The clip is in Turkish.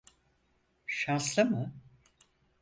Şanslı mı?